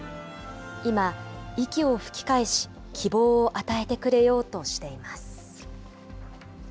今、息を吹き返し、希望を与えてくれようとしています。